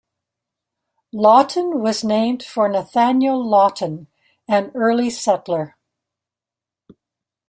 Lawton was named for Nathaniel Lawton, an early settler.